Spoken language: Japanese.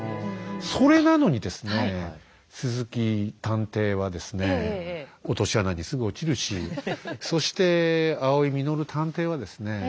それなのにですね鈴木探偵はですね落とし穴にすぐ落ちるしそして青井実探偵はですね